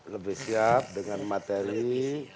lebih siap dengan materi